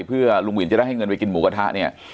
เพื่อลุงวินจะได้ให้เงินไปกินหมูกระทะเนี่ย